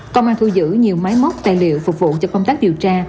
công an thu giữ nhiều máy móc tài liệu phục vụ cho công tác điều tra